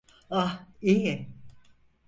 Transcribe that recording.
Ah, iyi.